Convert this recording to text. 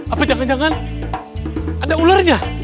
apa jangan jangan ada ularnya